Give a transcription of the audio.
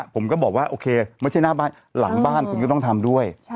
ผมก็บอกว่าโอเคไม่ใช่หน้าบ้านหลังบ้านคุณก็ต้องทำด้วย